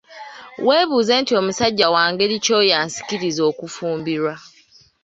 Weebuuze nti musajja wa ngeri ki oyo ansikiriza okufumbirwa?